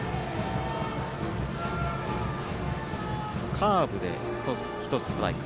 カーブで１つストライク。